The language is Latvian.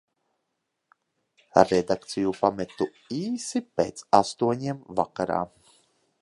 Redakciju pametu īsi pēc astoņiem vakarā.